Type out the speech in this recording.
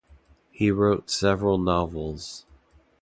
He wrote several novels.